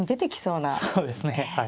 そうですね。